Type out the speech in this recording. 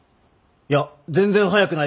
いや全然早くないでしょ。